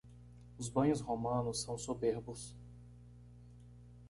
Os banhos romanos são soberbos